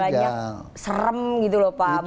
banyak serem gitu loh pak